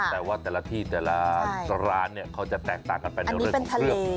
แต่ว่าแต่ละที่แต่ละร้านเนี่ยเขาจะแตกต่างกันไปในเรื่องของเครื่อง